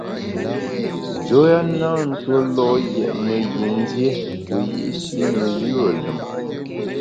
Njoya na tue lo’ yètne yin dié wiyi’shi ne yùe lùm.